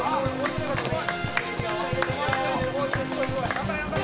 頑張れ頑張れ！